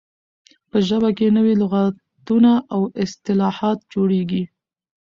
په ژبه کښي نوي لغاتونه او اصطلاحات جوړیږي.